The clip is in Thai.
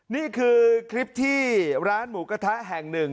นี่คือคลิปที่ร้านหมูกระทะแห่งหนึ่ง